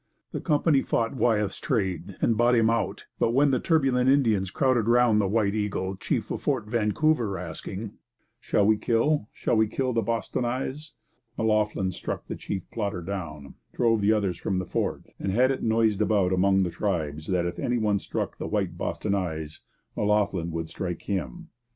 The company fought Wyeth's trade and bought him out; but when the turbulent Indians crowded round the 'White Eagle,' chief of Fort Vancouver, asking, 'Shall we kill shall we kill the "Bostonnais"?' M'Loughlin struck the chief plotter down, drove the others from the fort, and had it noised about among the tribes that if any one struck the white 'Bostonnais,' M'Loughlin would strike him.